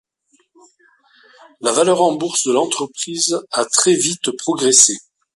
La valeur en Bourse de l'entreprise a très vite progressé.